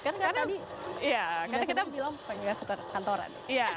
kan tadi karena kita bilang pengguna kantoran